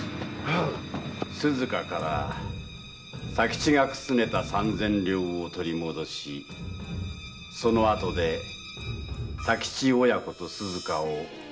鈴華から佐吉がくすねた三千両を取り戻しそのあとで佐吉親子と鈴華を消します。